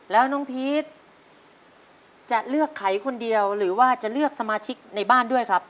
แล้วน้องพีชจะเลือกไขคนเดียวหรือว่าจะเลือกสมาชิกในบ้านด้วยครับ